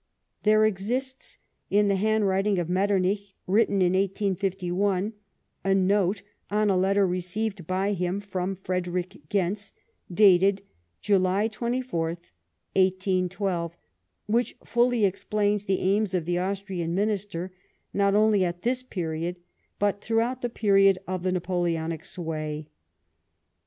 There exists, in the handwriting of Metternich, written in 1851, a note on a letter received by him from Frederick Gentz, dated July 24, 1812, which fully explains the aims of the Austrian Minister, not only at this period, but throughout the period of the Napoleonic sway.